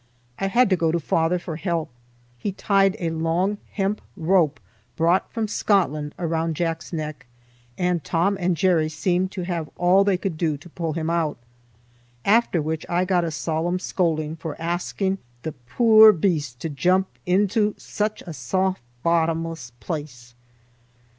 I had to go to father for help. He tied a long hemp rope brought from Scotland around Jack's neck, and Tom and Jerry seemed to have all they could do to pull him out. After which I got a solemn scolding for asking the "puir beast to jump intil sic a saft bottomless place."